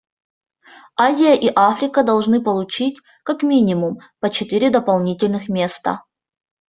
Азия и Африка должны получить, как минимум, по четыре дополнительных места.